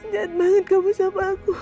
jahat banget kamu siapa aku